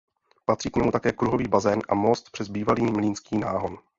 Patří k němu také kruhový bazén a most přes bývalý mlýnský náhon.